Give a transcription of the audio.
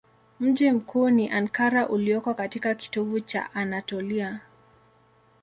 Mji mkuu ni Ankara ulioko katika kitovu cha Anatolia.